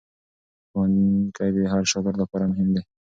ښوونکی د هر شاګرد لپاره مهم دی.